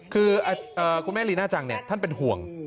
คือคุณแม่ลีน่าจังเนี่ย